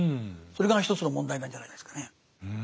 それが一つの問題なんじゃないですかね。